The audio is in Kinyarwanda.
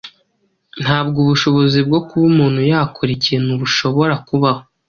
Nta bwo ubushobozi bwo kuba umuntu yakora ikintu bushobora kubaho